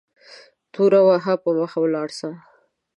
تور وهه په مخه ولاړ سه